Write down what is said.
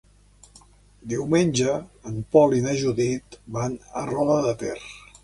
Diumenge en Pol i na Judit van a Roda de Ter.